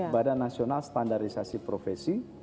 badan nasional standarisasi profesi